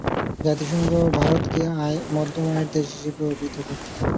জাতিসংঘ ভারতকে মধ্যম আয়ের দেশ হিসেবে অভিহিত করে।